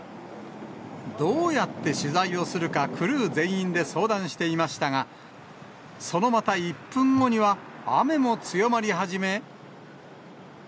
どうやって取材をするか、クルー全員で相談していましたが、そのまた１分後には、雨も強まり始め。